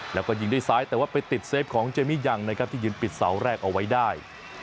แล้วก็ยิงด้วยซ้ายแต่ว่าไปติดเซฟของเจมมี่ยังนะครับที่ยืนปิดเสาแรกเอาไว้ได้